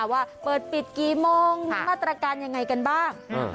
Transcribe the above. ว่าเปิดปิดกี่โมงมีมาตรการยังไงกันบ้าง